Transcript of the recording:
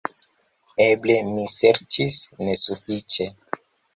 Eble mi serĉis nesufiĉe.